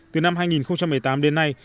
từ năm hai nghìn một mươi tám đến nay